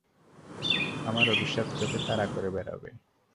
আমার অভিশাপ তোকে তাড়া করে বেড়াবে।